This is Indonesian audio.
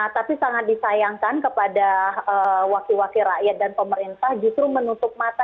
tapi sangat disayangkan kepada wakil wakil rakyat dan pemerintah justru menutup mata